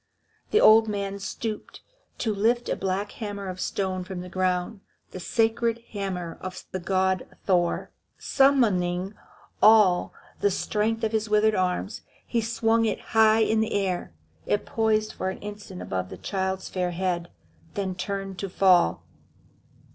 The old man stooped to lift a black hammer of stone from the ground, the sacred hammer of the god Thor. Summoning all the strength of his withered arms, he swung it high in the air. It poised for an instant above the child's fair head then turned to fall.